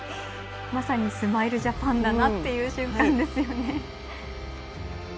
まさにスマイルジャパンだなっていう瞬間ですよね。